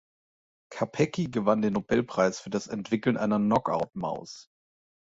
Capecchi gewann den Nobelpreis für das Entwickeln einer Knockout-Maus.